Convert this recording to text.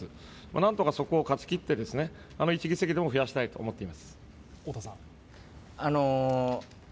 なんとかそこを勝ちきって１議席でも増やしたいと思っております。